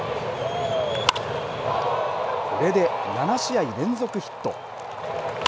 これで７試合連続ヒット。